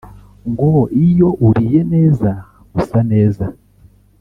ngo iyo uriye neza usa neza